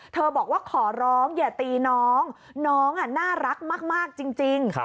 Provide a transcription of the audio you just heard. บอกว่าขอร้องอย่าตีน้องน้องน่ารักมากจริง